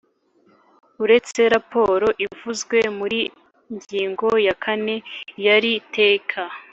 Uretse raporo ivuzwe mu ngingo ya kane y’iri teka